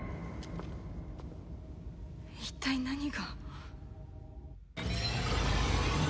一体何が？